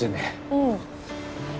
うん。